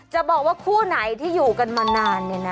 จะบอกว่าคู่ไหนที่อยู่กันมานานเนี่ยนะ